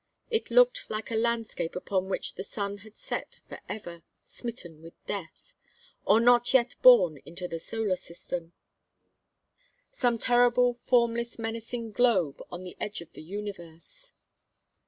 It looked like a landscape upon which the sun had set for ever, smitten with death or not yet born into the solar system; some terrible formless menacing globe on the edge of the Universe.